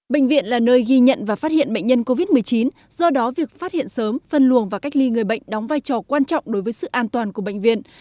bệnh viện là nơi ghi nhận và phát hiện bệnh nhân covid một mươi chín do đó việc phát hiện sớm phân luồng và cách ly người bệnh đóng vai trò quan trọng đối với sự an toàn của bệnh viện